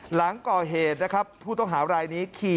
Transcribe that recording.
หลังก่อเหตุนะครับผู้ต้องหารายนี้ขี่